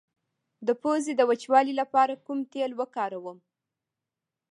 د پوزې د وچوالي لپاره کوم تېل وکاروم؟